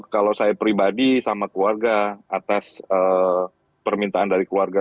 kalau saya pribadi sama keluarga atas permintaan dari keluarga